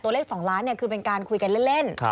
ตัวเลข๒ล้านเนี่ยคือเป็นการคุยกันเล่น